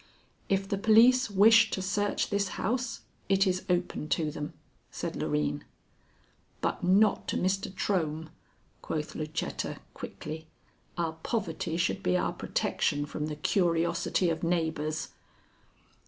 "If the police wish to search this house, it is open to them," said Loreen. "But not to Mr. Trohm," quoth Lucetta, quickly. "Our poverty should be our protection from the curiosity of neighbors."